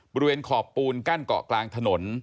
บริเวณขอบปูนกั้นเกาะกลางถนน